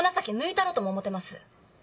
たろとも思うてます。